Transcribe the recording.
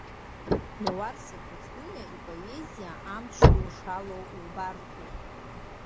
Леуарса Кәыҵниа ипоезиа амч ду шалоу убарҭоуп.